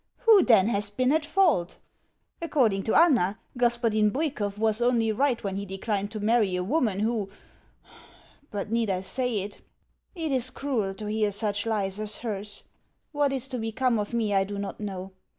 WHO, then, has been at fault? According to Anna, Hospodin [Mr.] Bwikov was only right when he declined to marry a woman who But need I say it? It is cruel to hear such lies as hers. What is to become of me I do not know.